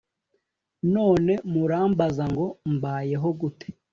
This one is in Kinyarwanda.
None murambaza ngo Mbayeho gute